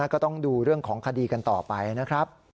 ก็ต้องดูเรื่องของคดีกันต่อไปนะครับ